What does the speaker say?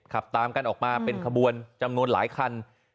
ขับตามกันออกมาเป็นขบวนจำนวนหลายคัน